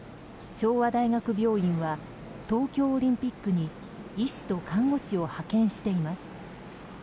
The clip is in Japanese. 昭和大学病院は東京オリンピックに医師と看護師を派遣しています。